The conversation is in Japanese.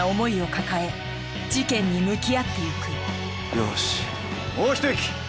よしもう一息！